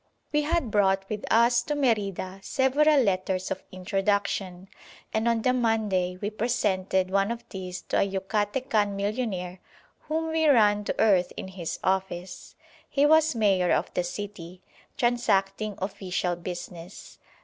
We had brought with us to Merida several letters of introduction, and on the Monday we presented one of these to a Yucatecan millionaire whom we ran to earth in his office (he was mayor of the city) transacting official business.